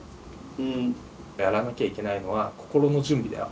うん。やらなきゃいけないのは心の準備だよ。